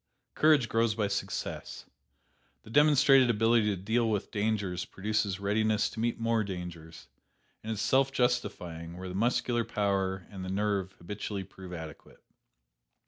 Courage grows by success. The demonstrated ability to deal with dangers produces readiness to meet more dangers, and is self justifying where the muscular power and the nerve habitually prove adequate.